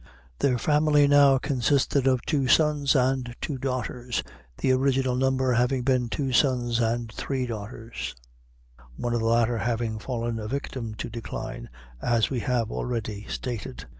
Their family now consisted of two sons and two daughters, the original number having been two sons and three daughters one of the latter having fallen a victim to decline, as we have already stated.